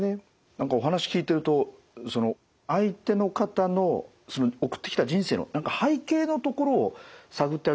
何かお話聞いてると相手の方の送ってきた人生の何か背景のところを探ってあげるといいのかなという。